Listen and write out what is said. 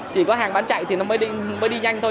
chỉ có hàng bán chạy thì nó mới đi nhanh thôi